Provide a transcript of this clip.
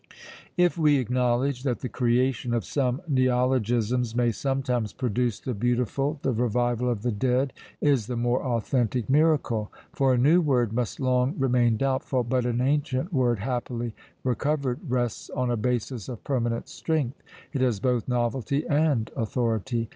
If we acknowledge that the creation of some neologisms may sometimes produce the beautiful, the revival of the dead is the more authentic miracle; for a new word must long remain doubtful, but an ancient word happily recovered rests on a basis of permanent strength; it has both novelty and authority.